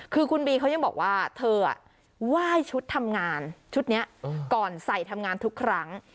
คือคุณบีเขายังบอกว่าเธอไหว้ชุดทำงานชุดนี้ก่อนใส่ทำงานทุกครั้ง